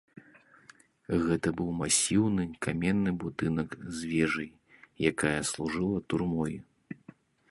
Гэта быў масіўны каменны будынак з вежай, якая служыла турмой.